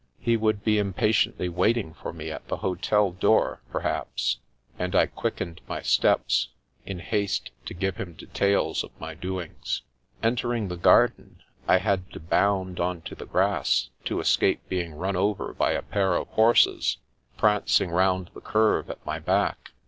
He would be impatiently waiting for me at the hotel The Path of the Moon 1 75 door, perhaps ; and I quickened my steps, in haste to give him details of my doings. Entering the garden, I had to bound onto the grass, to escape being run over by a pair of horses prancing round the curve, at my back.